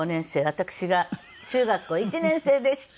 私が中学校１年生でした。